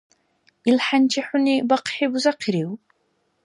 Ил хӀянчи хӀуни бахъхӀи бузахъирив?